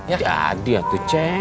ya jadi ya tuh ceng